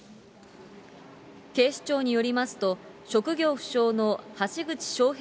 警視庁によりますと、職業不詳の橋口しょう